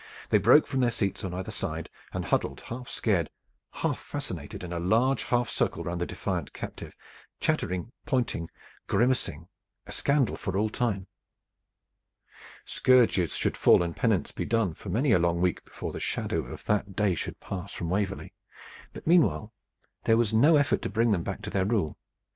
They broke from their seats on either side and huddled half scared, half fascinated, in a large half circle round the defiant captive, chattering, pointing, grimacing, a scandal for all time. Scourges should fall and penance be done for many a long week before the shadow of that day should pass from Waverley. But meanwhile there was no effort to bring them back to their rule.